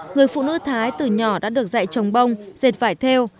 người phụ nữ thái từ nhỏ đã được dạy trồng bông dệt vải theo